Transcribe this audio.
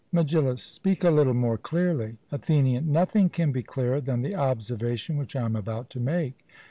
MEGILLUS: Speak a little more clearly. ATHENIAN: Nothing can be clearer than the observation which I am about to make.